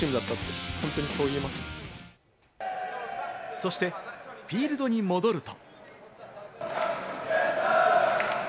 そしてフィールドに戻ると。